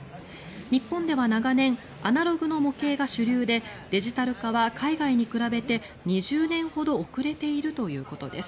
日本では長年アナログの模型が主流でデジタル化は海外に比べて２０年ほど遅れているということです。